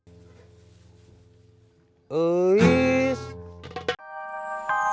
saya pengen bersama si ceci